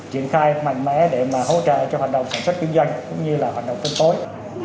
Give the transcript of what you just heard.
triển khai mạnh mẽ để mà hỗ trợ cho hoạt động sản xuất kinh doanh cũng như là hoạt động phân phối